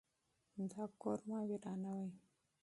دا کور مه ورانوئ.